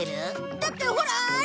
だってほらあれ！